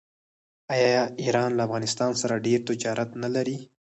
آیا ایران له افغانستان سره ډیر تجارت نلري؟